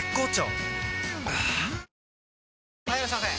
はぁ・はいいらっしゃいませ！